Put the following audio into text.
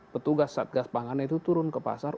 petugas satgas pangan itu turun ke pasar